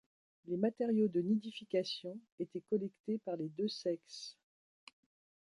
Les matériaux de nidification étaient collectés par les deux sexes.